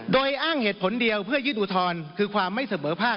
โดยอ้างเหตุผลเดียวเพื่อยื่นอุทธรณ์คือความไม่เสมอภาค